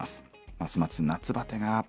ますます夏バテが。